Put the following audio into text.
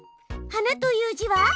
「はな」という字は。